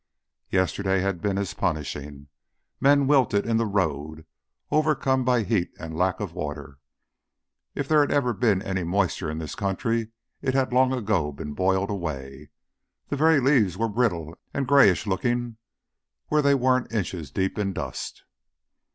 Yesterday had been as punishing. Men wilted in the road, overcome by heat and lack of water. If there ever had been any moisture in this country, it had long ago been boiled away. The very leaves were brittle and grayish looking where they weren't inches deep in dust.